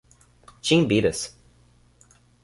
Timbiras